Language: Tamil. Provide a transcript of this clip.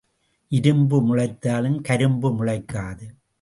இரும்பு முளைத்தாலும் கரும்பு முளைக்காது.